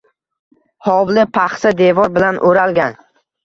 Hovli paxsa devor bilan oʼralgan.